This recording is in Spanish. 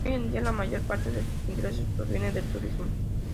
Hoy en día, la mayor parte de sus ingresos provienen del turismo.